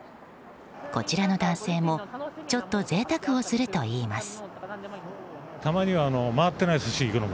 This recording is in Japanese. こちらの男性もちょっと贅沢をするといいます。